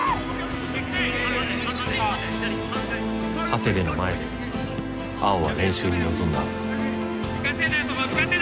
長谷部の前で碧は練習に臨んだ。